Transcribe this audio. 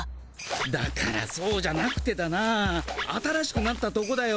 だからそうじゃなくてだな新しくなったとこだよ。